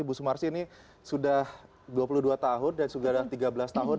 ibu sumarsi ini sudah dua puluh dua tahun dan sudah tiga belas tahun